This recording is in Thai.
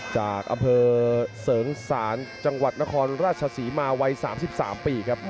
จากอำเภอเสริงศาลจังหวัดนครราชศรีมาวัย๓๓ปีครับ